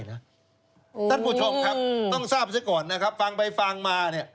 ท่านผู้ชมครับต้องทราบซะก่อนนะครับฟังไปฟังมาเนี่ย